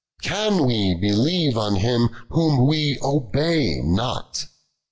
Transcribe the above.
Can we believe on Him, Whom we obey not